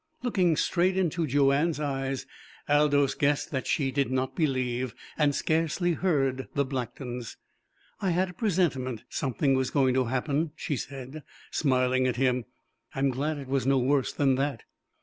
Looking straight into Joanne's eyes, Aldous guessed that she did not believe, and scarcely heard, the Blacktons. "I had a presentiment something was going to happen," she said, smiling at him. "I'm glad it was no worse than that."